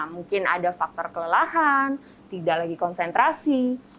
mungkin ada faktor kelelahan tidak lagi konsentrasi